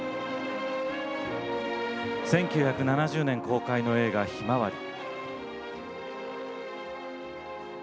１９７０年公開の映画「ひまわり」。